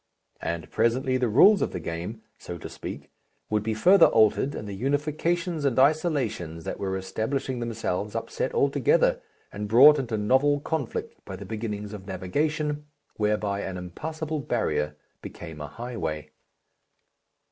And presently the rules of the game, so to speak, would be further altered and the unifications and isolations that were establishing themselves upset altogether and brought into novel conflict by the beginnings of navigation, whereby an impassable barrier became a highway.